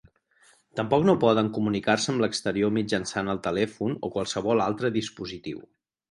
Tampoc no poden comunicar-se amb l'exterior mitjançant el telèfon o qualsevol altre dispositiu.